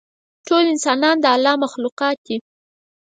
ټول انسانان د الله مخلوقات دي.